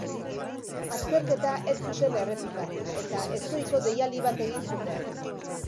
Azterketa ez zuten errepikatu, eta ezohiko deialdi bat egin zuten.